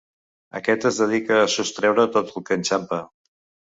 Aquest es dedica a sostreure tot el que enxampa.